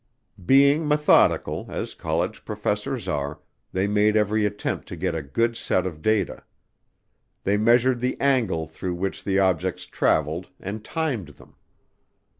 Being methodical, as college professors are, they made every attempt to get a good set of data. They measured the angle through which the objects traveled and timed them.